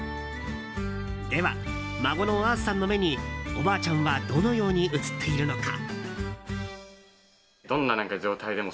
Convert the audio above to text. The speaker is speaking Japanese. では、孫のあーすさんの目におばあちゃんはどのように映っているのか。